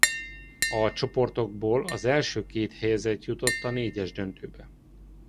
A csoportokból az első két helyezett jutott a négyes döntőbe.